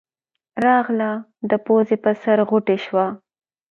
راغله د پوزې پۀ سر غوټۍ شوه